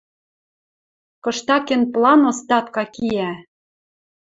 Кыштакен план остатка киӓ